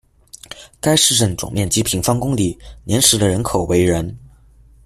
该市镇总面积平方公里，年时的人口为人。